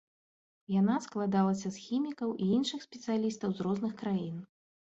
Яна складалася з хімікаў і іншых спецыялістаў з розных краін.